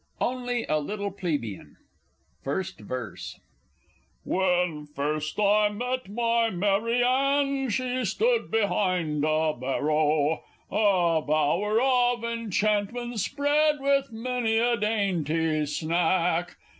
ONLY A LITTLE PLEBEIAN! First Verse. When first I met my Mary Ann, she stood behind a barrow A bower of enchantment spread with many a dainty snack!